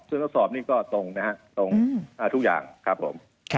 ทดสอบนี่ก็ตรงนะครับตรงทุกอย่างครับผม